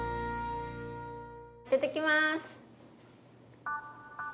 いただきます！